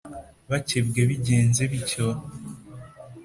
bakebwe Bigenze bityo